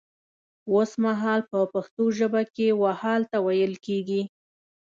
وسمهال په پښتو ژبه کې و حال ته ويل کيږي